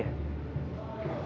jahat sekali dia